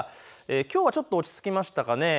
きょうはちょっと落ち着きましたかね。